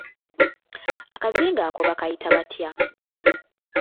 Akazinga ako bakayita batya?